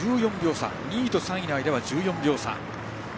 ２位と３位の間は１４秒差。